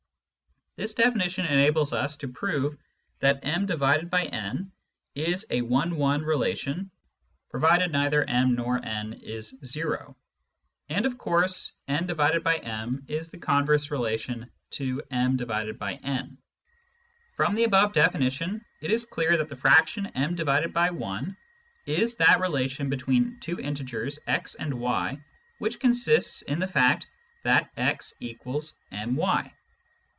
This definition enables us to prove that m/n is a one one relation, provided neither m or n is zero. And of course n/m is the converse relation to m/n. From the above definition it is clear that the fraction m/\ is that relation between two integers x and y which consists in the fact that x=my.